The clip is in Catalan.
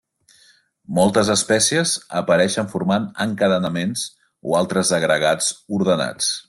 Moltes espècies apareixen formant encadenaments o altres agregats ordenats.